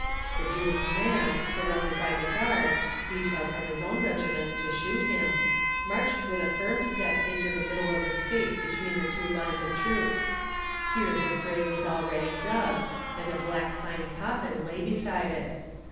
The doomed man, surrounded by the guard, detailed from his own regiment to shoot him, marched with a firm step into the middle of the space between the two lines of troops. Here his grave was already dug, and a black pine coffin lay beside it.